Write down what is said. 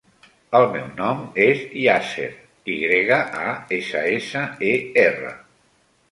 El meu nom és Yasser: i grega, a, essa, essa, e, erra.